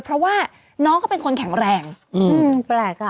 เพราะว่าน้องเขาเป็นคนแข็งแรงอืมแปลกอ่ะ